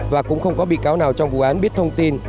và cũng không có bị cáo nào trong vụ án biết thông tin